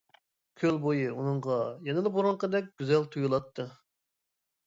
كۆل بويى ئۇنىڭغا يەنىلا بۇرۇنقىدەك گۈزەل تۇيۇلاتتى.